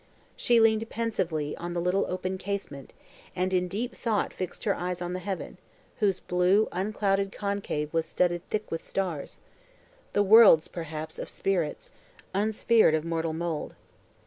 She leaned pensively on the little open casement, and in deep thought fixed her eyes on the heaven, whose blue unclouded concave was studded thick with stars, the worlds, perhaps, of spirits, unsphered of mortal mould.